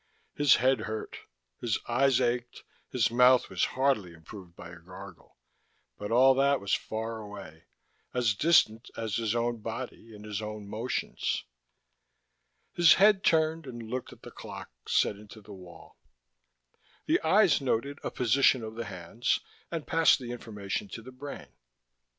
His head hurt, his eyes ached, his mouth was hardly improved by a gargle, but all that was far away, as distant as his own body and his own motions. His head turned and looked at the clock set into his wall. The eyes noted a position of the hands and passed the information to the brain: 8:47.